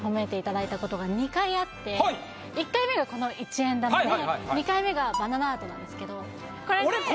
今まで１回目はこの１円玉で２回目がバナナアートなんですけど。